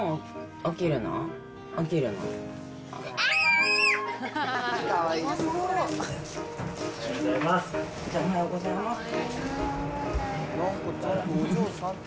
おはようございますって。